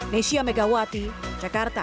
nesya megawati jakarta